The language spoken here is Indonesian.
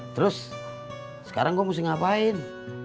terus sekarang gue mesti ngapain